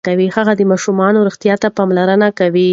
هغه د ماشومانو روغتیا ته پاملرنه کوي.